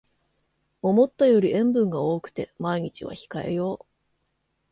思ったより塩分が多くて毎日は控えよう